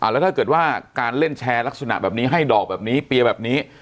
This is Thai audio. แล้วถ้าเกิดว่าการเล่นแชร์ลักษณะแบบนี้ให้ดอกแบบนี้เปียร์แบบนี้